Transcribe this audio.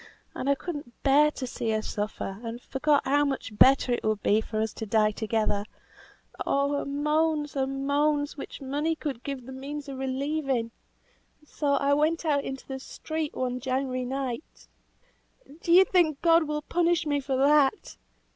And I could not bear to see her suffer, and forgot how much better it would be for us to die together; oh her moans, her moans, which money would give me the means of relieving! So I went out into the street, one January night Do you think God will punish me for that?"